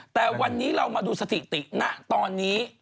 แต่วันเมื่อถึงเรามาดูสถิติน่ะตอนนี้